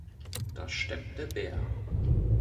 Da steppt der Bär.